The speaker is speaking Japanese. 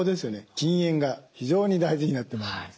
禁煙が非常に大事になってまいります。